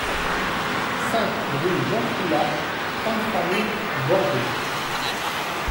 cinq rue Jean Soula, trente-trois mille Bordeaux